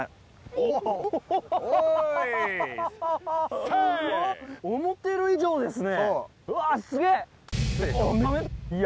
おぉ思ってる以上ですね。